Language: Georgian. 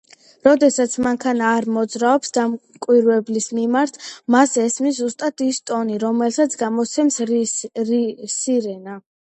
როდესაც მანქანა არ მოძრაობს დამკვირვებლის მიმართ, მას ესმის ზუსტად ის ტონი რომელსაც გამოსცემს სირენა.